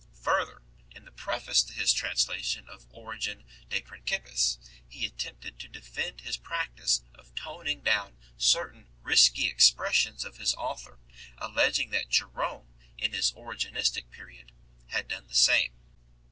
Further, in the preface to his translation of Origen De Principiis he attempted to defend his practice of toning down certain risky expressions of his author, alleging that Jerome in his Origenistic period had done the same.